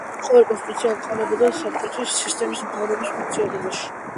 ყოველი კონსტიტუცია ემყარებოდა საბჭოების სისტემას მთავრობის ფუნქციონირებაში.